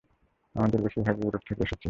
আমাদের বেশিরভাগই ইউরোপ থেকে এসেছি।